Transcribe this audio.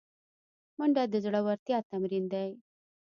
منډه د زړورتیا تمرین دی